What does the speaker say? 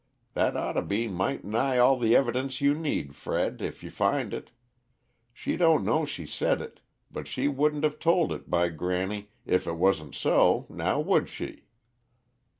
That oughta be might' nigh all the evidence you need, Fred, if you find it. She don't know she said it, but she wouldn't of told it, by granny, if it wasn't so now would she?"